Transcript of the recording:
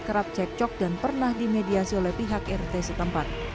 kerap cekcok dan pernah dimediasi oleh pihak rt setempat